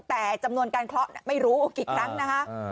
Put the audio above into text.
แต่จำนวนการเคราะห์ไม่รู้กี่ครั้งนะคะ